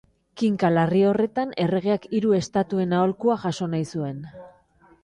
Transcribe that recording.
Kinka larri horretan, erregeak hiru estatuen aholkua jaso nahi zuen.